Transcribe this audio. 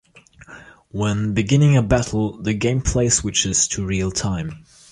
When beginning a battle the gameplay switches to real time.